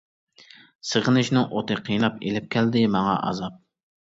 سېغىنىشنىڭ ئوتى قىيناپ، ئېلىپ كەلدى ماڭا ئازاب.